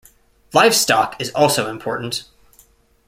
Livestock is also important.